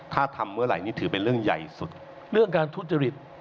ถ้าทำเมื่อไหร่นี่ถือเป็นเรื่องใหญ่สุดเรื่องการทุจริต